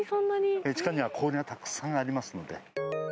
地下には氷がたくさんありますので。